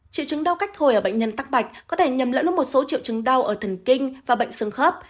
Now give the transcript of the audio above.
triệu chứng đau cách hồi ở bệnh nhân tắc mạch có thể nhầm lẫn một số triệu chứng đau ở thần kinh và bệnh sương khớp